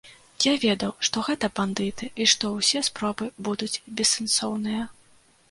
Я ведаў, што гэта бандыты і што ўсе спробы будуць бессэнсоўныя.